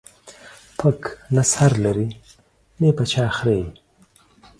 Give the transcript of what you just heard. پک نه سر لري ، نې په چا خريي.